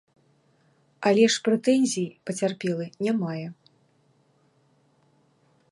Але ж прэтэнзій пацярпелы не мае.